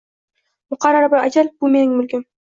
Muqarrar bir ajal – bu mening mulkim